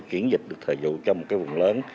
chuyển dịch được thời vụ trong vùng lớn